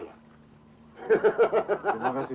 terima kasih pak